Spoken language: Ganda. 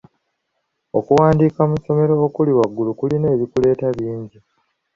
Okuwanduka mu ssomero okuli waggulu kulina ebikuleeta bingi.